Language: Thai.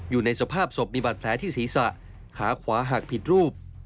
อยู่ในสภาพศพมีบาดแผลที่ศีรษะขาขวาหักผิดรูป